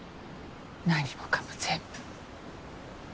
何もかも全部。